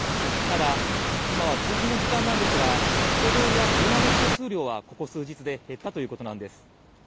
ただ今は通勤の時間なんですが、人通りや車の交通量はここ数日で減ったということなんです。